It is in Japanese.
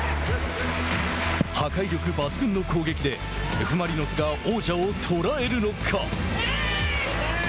破壊力抜群の攻撃でＦ・マリノスが王者を捉えるのか。